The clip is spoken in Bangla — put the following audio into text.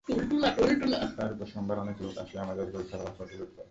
তার ওপর সোমবার অনেক লোক আসি আমাদের গরু-ছাগল হাঁস-মুরগি লুট করে।